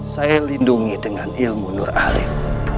saya lindungi dengan ilmu nur alim